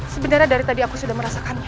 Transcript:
sebenarnya dari tadi aku sudah merasakan